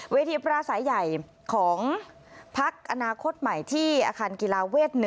ปราศัยใหญ่ของพักอนาคตใหม่ที่อาคารกีฬาเวท๑